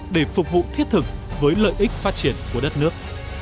để phục vụ thiết thực với lợi ích phát triển của đất nước